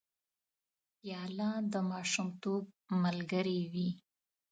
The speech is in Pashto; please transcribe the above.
پیاله د ماشومتوب ملګرې وي.